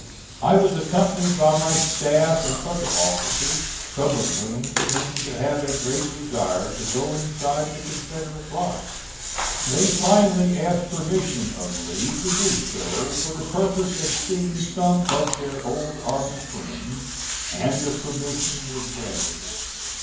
I was accompanied by my staff and other officers, some of whom seemed to have a great desire to go inside the Confederate lines. They finally asked permission of Lee to do so for the purpose of seeing some of their old army friends, and the permission was granted.